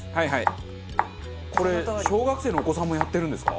これ小学生のお子さんもやってるんですか？